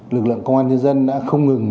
lực lượng công an nhân dân đã không ngừng